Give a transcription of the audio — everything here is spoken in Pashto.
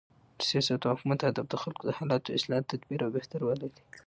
د سیاست او حکومت هدف د خلکو د حالاتو، اصلاح، تدبیر او بهتروالی دئ.